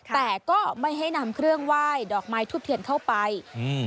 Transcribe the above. แต่ก็ไม่ให้นำเครื่องไหว้ดอกไม้ทุบเทียนเข้าไปอืม